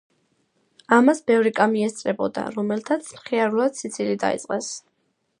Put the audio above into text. ამას ბევრი კამი ესწრებოდა, რომელთაც მხიარულად სიცილი დაიწყეს.